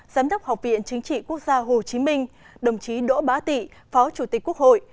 giám đốc học viện chính trị quốc gia hồ chí minh đồng chí đỗ bá tị phó chủ tịch quốc hội